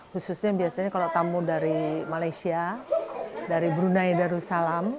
khususnya biasanya kalau tamu dari malaysia dari brunei darussalam